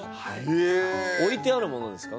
ええ置いてあるものですか？